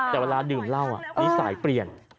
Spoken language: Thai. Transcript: แต่เวลาดื่มเหล้านิสัยเปลี่ยน